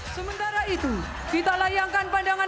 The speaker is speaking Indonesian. sementara itu kita layangkan pandangan